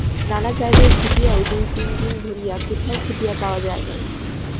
নানা জায়গা খুঁজিয়াও দুই তিন দিন ধরিয়া কোথাও খুঁজিয়া পাওয়া যায় নাই।